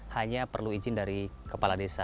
hanya perlu izin dari kepala desa